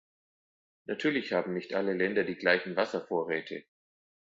Natürlich haben nicht alle Länder die gleichen Wasservorräte.